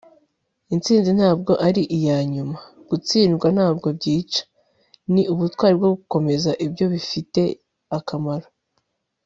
intsinzi ntabwo ari iyanyuma, gutsindwa ntabwo byica: ni ubutwari bwo gukomeza ibyo bifite akamaro